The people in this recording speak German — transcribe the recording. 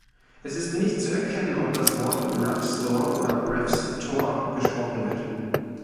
Es ist nicht zu erkennen, ob das Wort Raff-store oder Raffs-tore gesprochen wird.